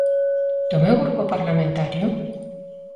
¿Do meu grupo parlamentario?